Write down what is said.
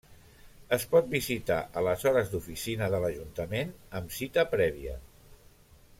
Es pot visitar a les hores d'oficina de l'ajuntament amb cita prèvia.